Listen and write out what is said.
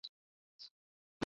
একে যে সামলায় কীভাবে!